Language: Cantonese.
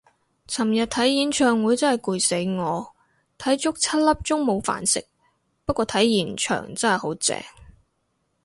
尋日睇演唱會真係攰死我，睇足七粒鐘冇飯食，不過睇現場真係好正